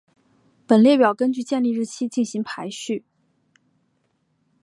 本列表根据建立日期进行排序。